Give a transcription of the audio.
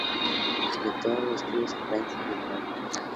Completó estudios en Francia y Alemania.